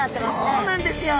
そうなんですよ。